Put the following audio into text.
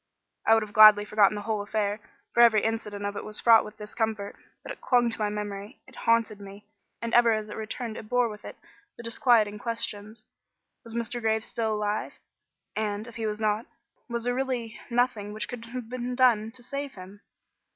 I would have gladly forgotten the whole affair, for every incident of it was fraught with discomfort. But it clung to my memory; it haunted me; and ever as it returned it bore with it the disquieting questions: Was Mr. Graves still alive? And, if he was not, was there really nothing which could have been done to save him?